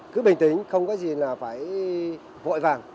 cứ bình tĩnh không có gì là phải vội vàng